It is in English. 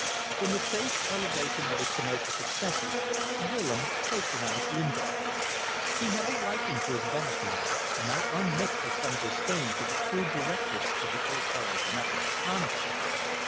From the safe elevation of his commercial successes Willems patronized Lingard. He had a liking for his benefactor, not unmixed with some disdain for the crude directness of the old fellow's methods of conduct.